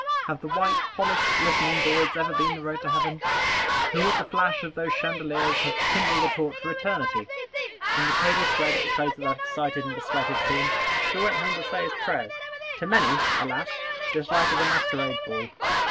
Have the white, polished, glistening boards ever been the road to heaven? Who at the flash of those chandeliers hath kindled a torch for eternity? From the table spread at the close of that excited and besweated scene, who went home to say his prayers? To many, alas! this life is a masquerade ball.